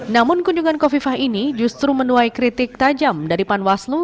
namun kunjungan kofifah ini justru menuai kritik tajam dari panwaslu